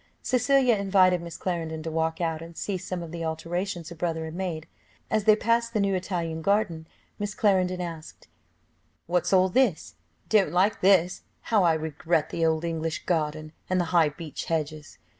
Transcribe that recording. Cecilia invited Miss Clarendon to walk out and see some of the alterations her brother had made. As they passed the new Italian garden, Miss Clarendon asked, "What's all this? don't like this how I regret the Old English garden, and the high beech hedges.